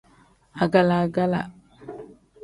Agala-gala.